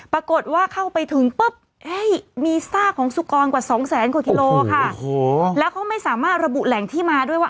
เข้าไปถึงปุ๊บมีซากของสุกรกว่าสองแสนกว่ากิโลค่ะโอ้โหแล้วเขาไม่สามารถระบุแหล่งที่มาด้วยว่า